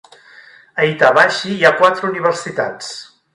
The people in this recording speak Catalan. A Itabashi hi ha quatre universitats.